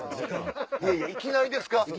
いきなりですか？